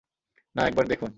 না, একবার দেখুন।